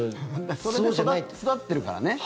それで育ってるからね。